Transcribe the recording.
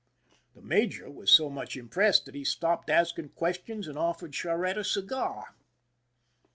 The major was so much impressed that he stopped asking questions and offered Charette a cigar.